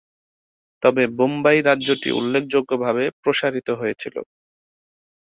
তবে বোম্বাই রাজ্যটি উল্লেখযোগ্যভাবে প্রসারিত হয়েছিল।